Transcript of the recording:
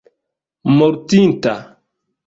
mortinta